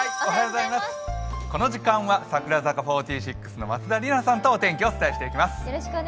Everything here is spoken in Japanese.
この時間は櫻坂４６の松田里奈さんとお天気をお伝えします。